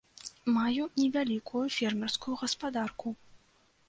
Маю невялікую фермерскую гаспадарку.